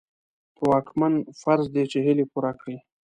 په واکمن فرض دي چې هيلې پوره کړي.